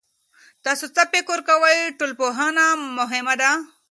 تاسو څه فکر کوئ، ټولنپوهنه مهمه ده؟